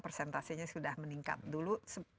presentasinya sudah meningkat dulu